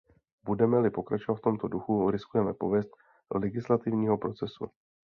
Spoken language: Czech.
Budeme-li pokračovat v tomto duchu, riskujeme pověst legislativního procesu.